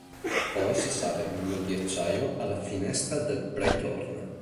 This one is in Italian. Poi si sale lungo il ghiacciaio alla "Finestra del Breithorn".